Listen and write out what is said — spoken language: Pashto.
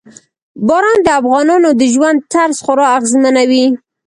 باران د افغانانو د ژوند طرز خورا اغېزمنوي.